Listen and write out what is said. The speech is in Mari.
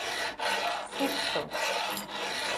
Суксо